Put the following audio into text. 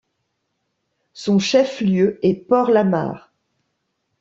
Son chef-lieu est Porlamar.